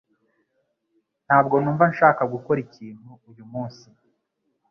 Ntabwo numva nshaka gukora ikintu uyu munsi